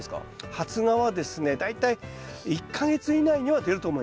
発芽はですね大体１か月以内には出ると思います。